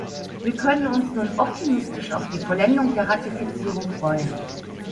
Wir können uns nun optimistisch auf die Vollendung der Ratifizierung freuen.